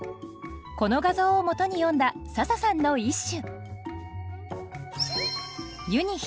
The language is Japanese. この画像をもとに詠んだ笹さんの一首